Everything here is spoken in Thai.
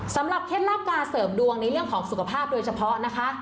เคล็ดลับการเสริมดวงในเรื่องของสุขภาพโดยเฉพาะนะคะ